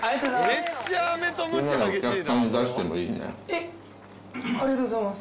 えっ！